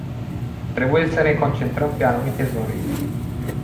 Trebuie să ne concentrăm pe anumite zone.